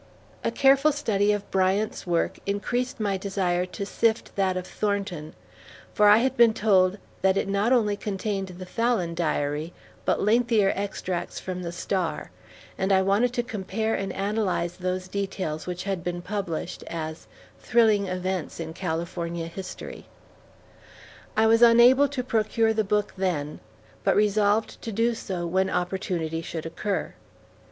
A careful study of Bryant's work increased my desire to sift that of Thornton, for I had been told that it not only contained the "Fallon Diary," but lengthier extracts from the Star, and I wanted to compare and analyze those details which had been published as "Thrilling Events in California History." I was unable to procure the book then, but resolved to do so when opportunity should occur.